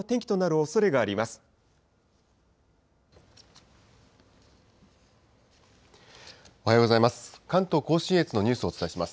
おはようございます。